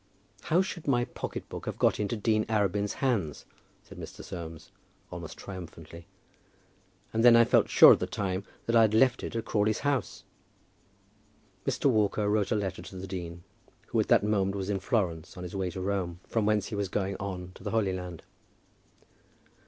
"How should my pocket book have got into Dean Arabin's hands?" said Mr. Soames, almost triumphantly. "And then I felt sure at the time that I had left it at Crawley's house!" Mr. Walker wrote a letter to the dean, who at that moment was in Florence, on his way to Rome, from whence he was going on to the Holy Land.